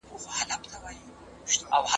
ملا په رښتیا سره یو عجیبه غږ واورېد.